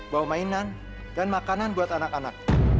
bawa mainan dan makanan buat anak anak